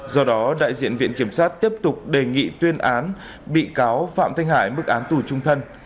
do đó đại diện viện kiểm sát tiếp tục đề nghị tuyên án bị cáo phạm thanh hải mức án tù trung thân